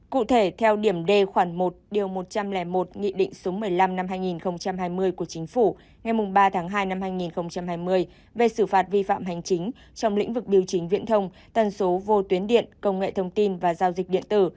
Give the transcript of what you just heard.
cụ thể theo điểm d khoản một điều một trăm linh một nghị định số một mươi năm năm hai nghìn hai mươi của chính phủ ngày ba tháng hai năm hai nghìn hai mươi về xử phạt vi phạm hành chính trong lĩnh vực biểu chính viễn thông tần số vô tuyến điện công nghệ thông tin và giao dịch điện tử